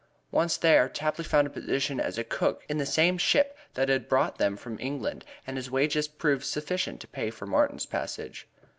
Once there, Tapley found a position as cook in the same ship that had brought them from England and his wages proved sufficient to pay for Martin's passage.